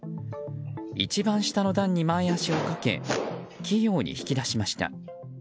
一番下の段に前脚をかけ器用に引き出しました。